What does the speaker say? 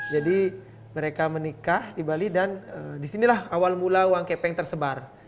jadi mereka menikah di bali dan disinilah awal mula uang kepeng tersebar